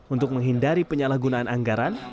untuk menghindari penyalahgunaan anggaran